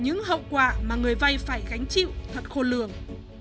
những hậu quả mà người vay phải gánh chịu thật khôn lường